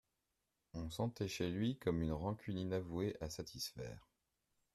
On sentait chez lui comme une rancune inavouée à satisfaire.